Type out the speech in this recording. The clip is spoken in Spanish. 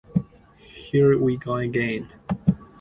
Here We Go Again.